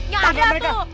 yang ada tuh